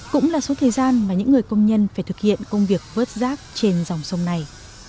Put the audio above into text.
cũng là số thời gian mà những người công nhân phải thực hiện công việc vớt rác trên dòng sông này